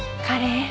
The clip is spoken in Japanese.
彼